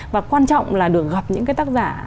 và quan trọng là được gặp những cái tác giả